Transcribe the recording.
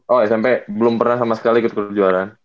oh smp belum pernah sama sekali ikut kejuaraan